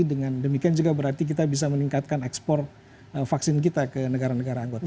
dengan demikian juga berarti kita bisa meningkatkan ekspor vaksin kita ke negara negara anggota